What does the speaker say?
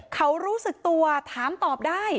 เขารู้สึกตัวถามตอบได้